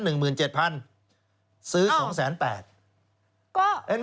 ซื้อ๒๘๐๐๐๐บาทเห็นไหมครับโอ้โฮ